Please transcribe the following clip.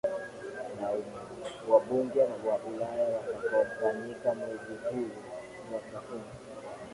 na wabunge wa ulaya utakaofanyika mwezi juni mwaka huu